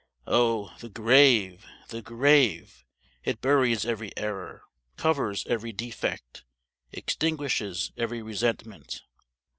Oh, the grave! the grave! It buries every error, covers every defect, extinguishes every resentment!